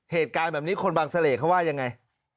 เหตุการณ์แบบนี้คนบางเสล่เขาว่ายังไง